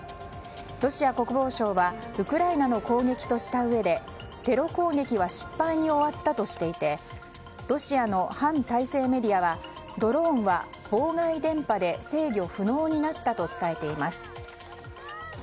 ロシア国防省はウクライナの攻撃としたうえでテロ攻撃は失敗に終わったとしていてロシアの反体制メディアはドローンは妨害電波で制御不能になったと伝えています。